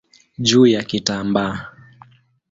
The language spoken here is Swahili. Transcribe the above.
juu ya kitambaa.